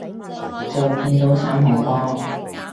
就見到三號波